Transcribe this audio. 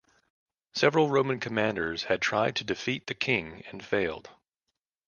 Several Roman commanders had tried to defeat the king and failed.